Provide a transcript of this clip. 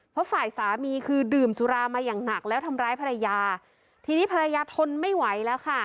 เพราะฝ่ายสามีคือดื่มสุรามาอย่างหนักแล้วทำร้ายภรรยาทีนี้ภรรยาทนไม่ไหวแล้วค่ะ